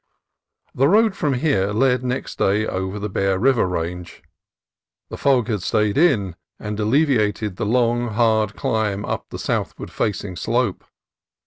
The road from here led next day over the Bear River Range. The fog had stayed in, and alleviated the long hard climb up the southward facing slope.